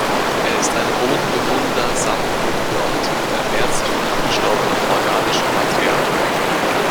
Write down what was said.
Er ist ein bodenbewohnender Saprobiont und ernährt sich von abgestorbenem organischem Material.